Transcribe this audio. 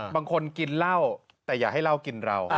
บางคนกินเหล้าแต่อย่าให้เหล้ากินเรา